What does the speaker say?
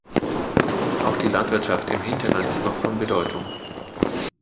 Auch die Landwirtschaft im Hinterland ist noch von Bedeutung.